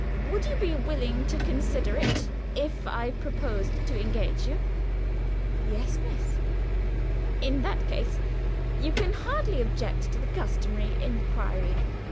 Would you be willing to consider it, if I proposed to engage you?" "Yes, miss." "In that case, you can hardly object to the customary inquiry.